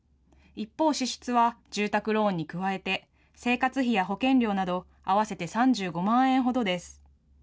一方、支出は住宅ローンに加えて、生活費や保険料など、合わせて３５万円ほどです。